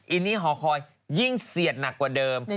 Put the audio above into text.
อินนี่หอคอยยิ่งเสียดหนักกว่าเดิม